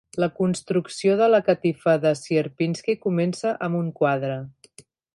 La construcció de la catifa de Sierpinski comença amb un quadre.